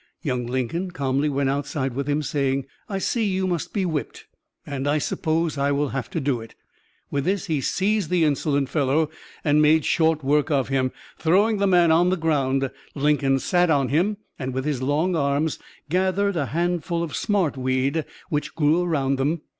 Young Lincoln calmly went outside with him, saying: "I see you must be whipped and I suppose I will have to do it." With this he seized the insolent fellow and made short work of him. Throwing the man on the ground, Lincoln sat on him, and, with his long arms, gathered a handful of "smartweed" which grew around them.